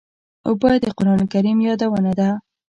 اوبه د قرآن کریم یادونه ده.